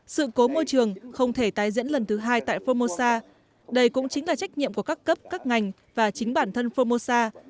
sự cố môi trường không thể tái diễn lần thứ hai tại formosa đây cũng chính là trách nhiệm của các cấp các ngành và chính bản thân formosa